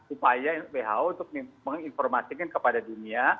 upaya who untuk menginformasikan kepada dunia